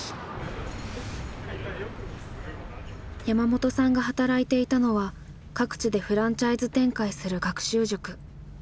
山本さんが働いていたのは各地でフランチャイズ展開する学習塾。